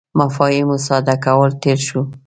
مفاهیمو ساده کولو تېر شو.